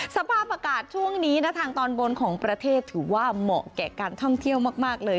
สภาพอากาศช่วงนี้นะทางตอนบนของประเทศถือว่าเหมาะแก่การท่องเที่ยวมากเลย